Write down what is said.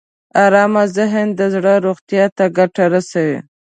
ارام ذهن د زړه روغتیا ته ګټه رسوي.